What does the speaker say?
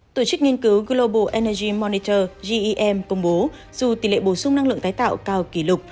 tổ chức nghiên cứu global energy monitor gem công bố dù tỷ lệ bổ sung năng lượng tái tạo cao kỷ lục